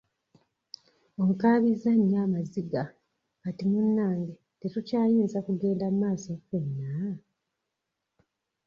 Onkaabizza nnyo amaziga kati munnange tetukyayinza kugenda mu mmaaso ffenna?